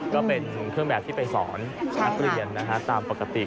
ก็เป็นเครื่องแบบที่ไปสอนนักเรียนตามปกติ